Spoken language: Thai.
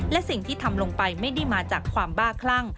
และสิ่งที่ทำลงไปไม่ได้มาจากความบ้าคลั่ง